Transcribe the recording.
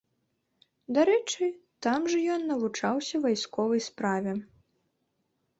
Дарэчы, там жа ён навучаўся вайсковай справе.